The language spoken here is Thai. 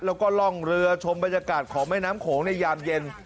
แล้วก็ล่องเรือชมบรรยากาศของแม่น้ำโขงในยามเย็น